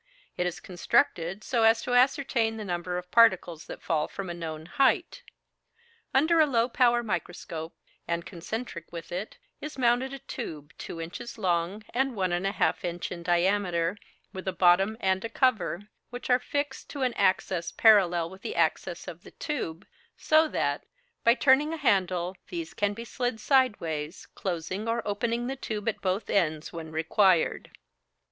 It is constructed so as to ascertain the number of particles that fall from a known height. Under a low power microscope, and concentric with it, is mounted a tube 2 inches long and 1 1/2 inch in diameter, with a bottom and a cover, which are fixed to an axis parallel with the axis of the tube, so that, by turning a handle, these can be slid sideways, closing or opening the tube at both ends when required.